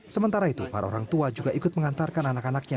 sementara itu para orang tua juga ikut mengantarkan anak anaknya